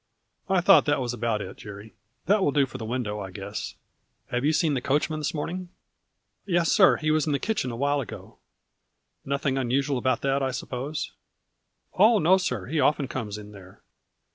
" I thought that was about it, Jerry. That will do for the window, I guess. Have you seen the coachman this morning ?"" Yes, sir, he was in the kitchen a while ago "" Nothing unusual about that, I suppose ?" A FLURRY IN DIAMONDS. 53 " Oh, no, sir, he often comes in there."